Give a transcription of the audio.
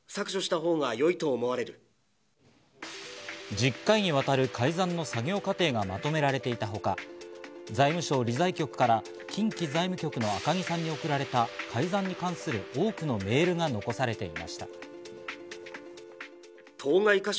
１０回にわたる改ざんの作業過程がまとめられていたほか、財務省理財局から近畿財務局の赤木さんに送られた改ざんに関する多くのメールが残されていました。